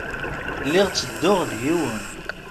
Lliɣ ttedduɣ d yiwen.